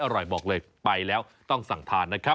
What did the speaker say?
อร่อยบอกเลยไปแล้วต้องสั่งทานนะครับ